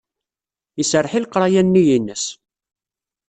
Iserreḥ i leqraya-nni-ines.